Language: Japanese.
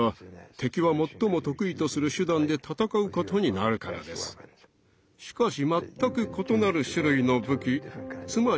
なぜならしかし全く異なる種類の武器つまり